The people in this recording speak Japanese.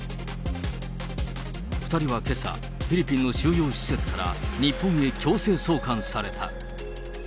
２人はけさ、フィリピンの収容施設から、日本へ強制送還された。